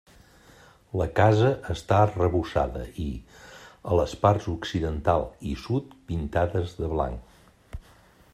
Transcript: La casa està arrebossada i, a les parts occidental i sud, pintades de blanc.